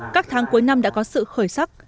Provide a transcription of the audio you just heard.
các tháng cuối năm đã có sự khởi sắc